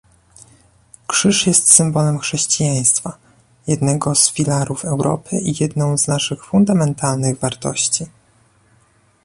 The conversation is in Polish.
Krzyż jest symbolem chrześcijaństwa, jednego z filarów Europy i jedną z naszych fundamentalnych wartości